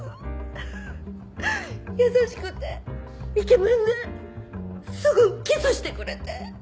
優しくてイケメンですぐキスしてくれて。